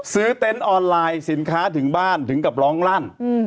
เต็นต์ออนไลน์สินค้าถึงบ้านถึงกับร้องลั่น